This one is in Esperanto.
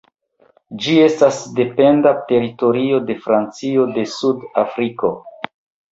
Ĝi estas dependa teritorio de Francio en Sud-Afriko.